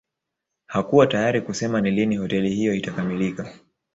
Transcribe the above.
Hakuwa tayari kusema ni lini hoteli hiyo itakamilika